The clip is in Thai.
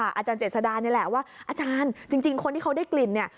อาจารย์เจษดานี่แหละว่าอาจารย์จริงคนที่เขาได้กลิ่นเนี่ย